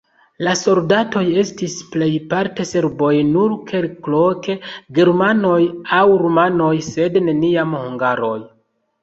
La soldatoj estis plejparte serboj, nur kelkloke germanoj aŭ rumanoj, sed neniam hungaroj.